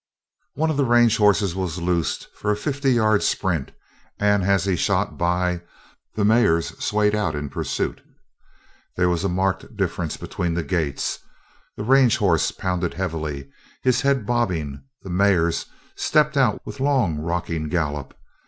One of the range horses was loosed for a fifty yard sprint and as he shot by, the mares swayed out in pursuit. There was a marked difference between the gaits. The range horse pounded heavily, his head bobbing; the mares stepped out with long, rocking gallop.